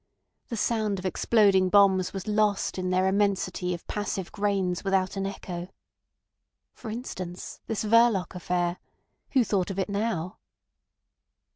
The sound of exploding bombs was lost in their immensity of passive grains without an echo. For instance, this Verloc affair. Who thought of it now?